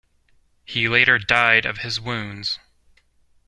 He later died of his wounds.